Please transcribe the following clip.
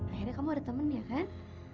akhirnya kamu ada temen dia kan